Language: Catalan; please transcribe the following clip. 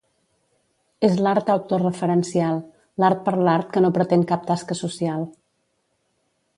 És l'art autoreferencial, l'art per l'art que no pretén cap tasca social.